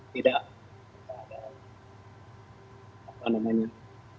tidak ada acaman acaman